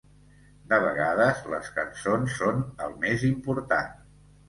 De vegades les cançons són el més important.